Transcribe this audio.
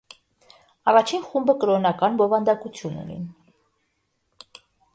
Առաջին խումբը կրօնական բովանդակութիւն ունին։